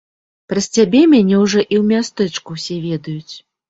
Праз цябе мяне ўжо і ў мястэчку ўсе ведаюць!